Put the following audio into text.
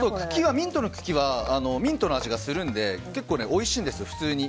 ミントの茎はミントの味がするので結構おいしいんですよ、普通に。